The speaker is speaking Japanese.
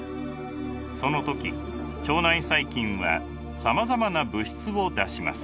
その時腸内細菌はさまざまな物質を出します。